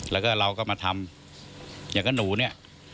แล้วก็เราก็มาทำอย่างกับหนูเนี่ย